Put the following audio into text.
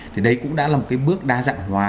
thì đấy cũng đã là một cái bước đa dạng hóa